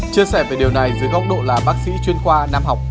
chia sẻ về điều này dưới góc độ là bác sĩ chuyên khoa nam học